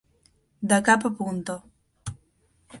De cap a punta.